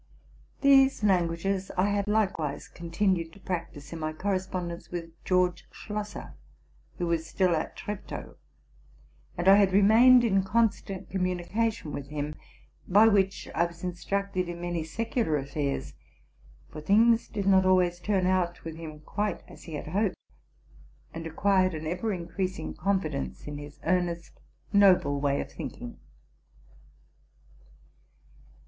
These languages I had likewise continued to practise in my correspondence with George Schlosser, who was still at Treptow; and I had remained in constant communication with him, by which I was instructed in many secular affairs (for things did not always turn out with him quite as he had hoped), and acquired an ever increasing confidence in his earnest, noble way of thinking.